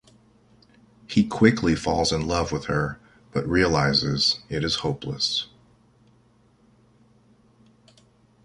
He quickly falls in love with her, but realizes it is hopeless.